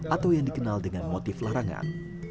atau yang dikenal dengan motif larangan